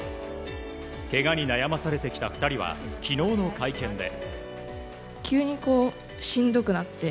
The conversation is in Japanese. けがに悩まされてきた２人は昨日の会見で。